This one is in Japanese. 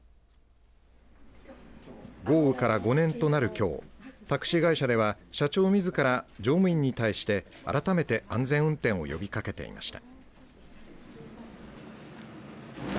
豪雨から５年となるきょうタクシー会社では社長みずから乗務員に対して改めて安全運転を呼びかけていました。